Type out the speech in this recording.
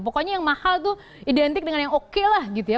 pokoknya yang mahal tuh identik dengan yang oke lah gitu ya